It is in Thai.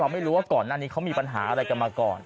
ไม่รู้ว่าก่อนหน้านี้เขามีปัญหาอะไรกันมาก่อน